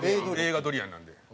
柄がドリアンなんで。